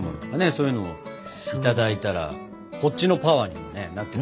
そういうのもいただいたらこっちのパワーにもなって。